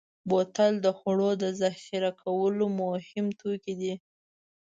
بوتل د خوړو د ذخیره کولو مهم توکی دی.